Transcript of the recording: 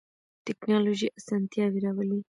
تکنالوژی اسانتیا راولی